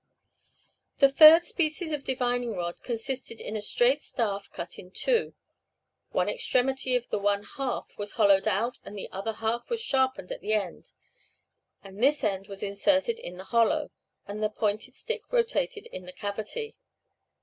A third species of divining rod consisted in a straight staff cut in two: one extremity of the one half was hollowed out, the other half was sharpened at the end, and this end was inserted in the hollow, and the pointed stick rotated in the cavity.